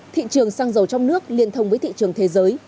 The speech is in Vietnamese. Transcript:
thị trường xăng dầu trong nước liên thông với thị trường thế giới